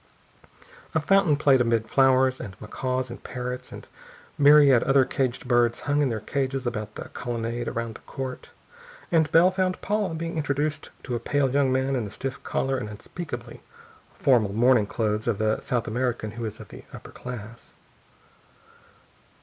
A fountain played amid flowers, and macaws and parrots and myriad other caged birds hung in their cages about the colonnade around the court, and Bell found Paula being introduced to a pale young man in the stiff collar and unspeakably formal morning clothes of the South American who is of the upper class.